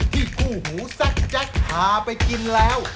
ที่กู้หูแซคแจ๊คท้าไปกินแล้ว